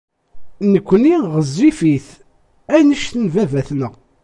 Nekkni ɣezzifit anect n baba-tneɣ.